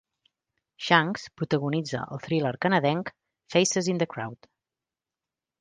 Shanks protagonitza el thriller canadenc "Faces in the Crowd".